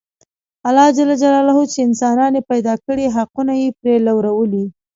الله ج چې انسانان یې پیدا کړي حقونه یې پرې لورولي.